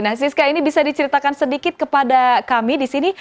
nah siska ini bisa diceritakan sedikit kepada kami di sini